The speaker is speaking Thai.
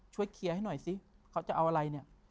เคลียร์ให้หน่อยสิเขาจะเอาอะไรเนี่ย